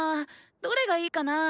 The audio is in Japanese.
どれがいいかな？